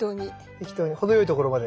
適当に程よいところまで。